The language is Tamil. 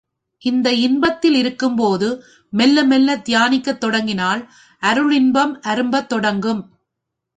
இந்த இன்பத்தில் இருக்கும்போது மெல்ல மெல்லத் தியானிக்கத் தொடங்கினால் அருளின்பம் அரும்பத் தொடங்கும்.